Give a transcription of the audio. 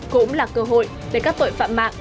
cũng là cơ hội để các tội phạm mạng